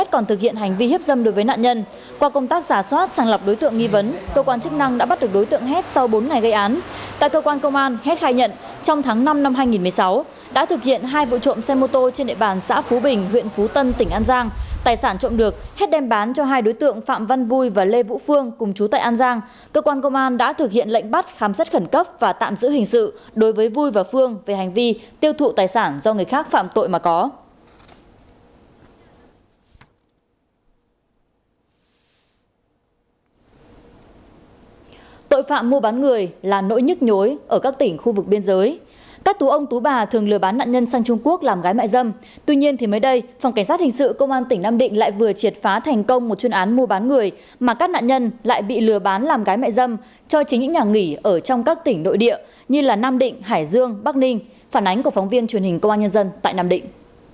tuy nhiên thì mới đây phòng cảnh sát hình sự công an tỉnh nam định lại vừa triệt phá thành công một chuyên án mua bán người mà các nạn nhân lại bị lừa bán làm gái mẹ dâm cho chính những nhà nghỉ ở trong các tỉnh nội địa như là nam định hải dương bắc ninh phản ánh của phóng viên truyền hình công an nhân dân tại nam định